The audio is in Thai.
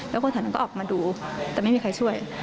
แล้วคนแถวนั้นก็ออกมาดูแต่ไม่มีใครช่วย